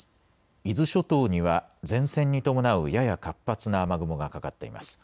伊豆諸島には前線に伴うやや活発な雨雲がかかっています。